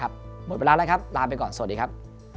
หมดเวลาแล้วครับลาไปก่อนสวัสดีครับ